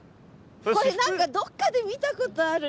これ何かどっかで見たことある。